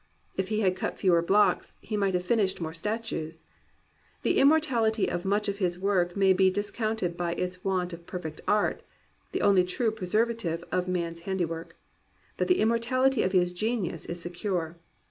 If he had cut fewer blocks, he might have finished more statues. The immortality of much of his work may be dis counted by its want of perfect art, — the only true preservative of man's handiwork. But the immor tality of his genius is secure.